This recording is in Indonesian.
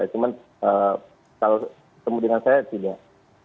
cuma kalau ketemu dengan saya tidak